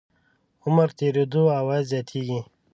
عمر تېرېدو عواید زیاتېږي.